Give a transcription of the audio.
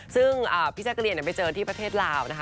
ซึ่งพี่แจ๊กรีนไปเจอที่ประเทศลาวนะคะ